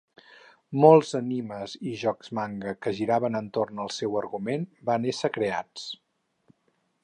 Molts animes i jocs manga, que giraven entorn del seu argument van ésser creats.